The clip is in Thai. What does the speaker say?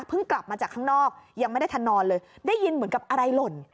กลับมาจากข้างนอกยังไม่ได้ทันนอนเลยได้ยินเหมือนกับอะไรหล่น